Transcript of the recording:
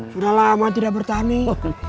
sudah lama tidak bertahun tahun